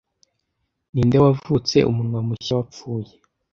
Ninde wavutse umunwa mushya wapfuye